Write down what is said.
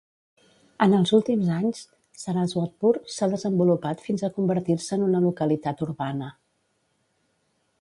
En els últims anys, Saraswatpur s'ha desenvolupat fins a convertir-se en una localitat urbana.